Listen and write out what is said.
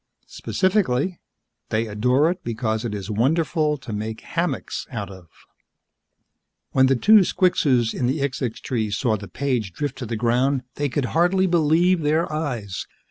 Specifically, they adore it because it is wonderful to make hammocks out of. When the two squixes in the xixxix tree saw the page drift to the ground, they could hardly believe their eyes.